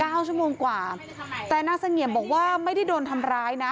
ชั่วโมงกว่าแต่นางเสงี่ยมบอกว่าไม่ได้โดนทำร้ายนะ